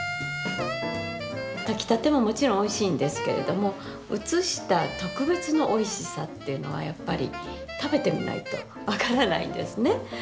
炊きたてももちろんおいしいんですけれども移した特別のおいしさというのはやっぱり食べてみないと分からないんですね。